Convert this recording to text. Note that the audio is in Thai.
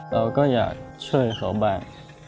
เราก็อยากช่วยเขาบ้าง